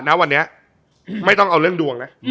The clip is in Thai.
ณวันนี้ไม่ต้องเอาเรื่องดวงนะ